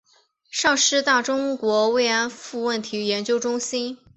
上师大中国慰安妇问题研究中心